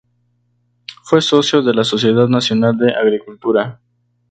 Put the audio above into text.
Fue socio de la Sociedad Nacional de Agricultura.